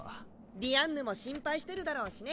ディアンヌも心配してるだろうしね。